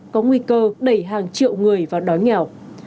có nguy cơ đẩy hàng triệu người vào đói nghèo